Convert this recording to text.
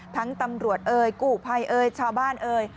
ตำรวจเอ่ยกู้ภัยเอ่ยชาวบ้านเอ่ย